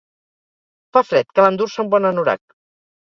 Fa fred cal endur-se un bon anorac